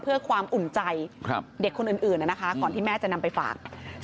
เพื่อความอุ่นใจเด็กคนอื่นนะคะก่อนที่แม่จะนำไปฝาก